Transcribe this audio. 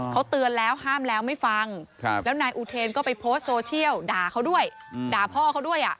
เขาเตือนแล้วห้ามแล้วไม่ฟังแล้วนายอุเทนก็ไปโพสต์โซเชียลด่าเขาด้วยด่าพ่อเขาด้วย